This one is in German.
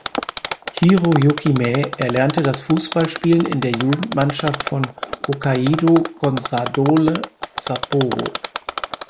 Hiroyuki Mae erlernte das Fußballspielen in der Jugendmannschaft von Hokkaido Consadole Sapporo.